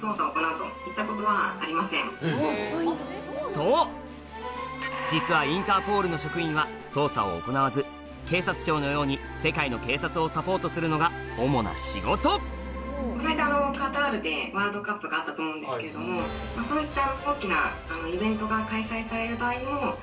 そう実はインターポールの職員は捜査を行わず警察庁のように世界の警察をサポートするのが主な仕事この間。あったと思うんですけれどもそういった。